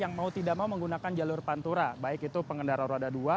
yang mau tidak mau menggunakan jalur pantura baik itu pengendara roda dua